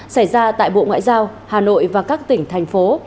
xảy ra tại bộ ngoại giao hà nội và các tỉnh thành phố